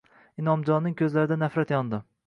Inomjonning ko`zlarida nafrat yondi